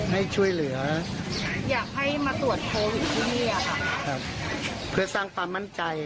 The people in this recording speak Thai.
ให้ช่วยเหลืออยากให้มาตรวจโควิดที่นี่อะค่ะครับเพื่อสร้างความมั่นใจ